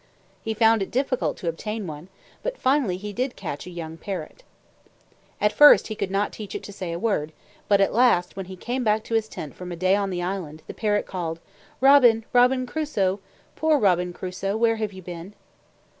He found it difficult to obtain one, but finally he did catch a young parrot. At first he could not teach it to say a word, but at last when he came back to his tent from a day on the island, the parrot called, "Robin, Robin Crusoe! Poor Robin Crusoe, where have you been?"